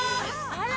あら！